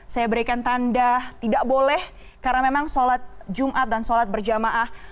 saya berikan tanda tidak boleh karena memang sholat jumat dan sholat berjamaah